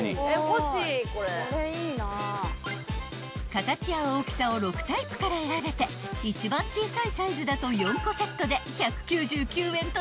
［形や大きさを６タイプから選べて一番小さいサイズだと４個セットで１９９円と超お得］